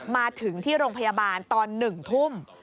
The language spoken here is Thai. มาถึงที่โรงพยาบาลตอน๑ทุ่ม